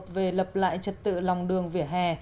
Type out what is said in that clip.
về lập lại trật tự lòng đường vỉa hè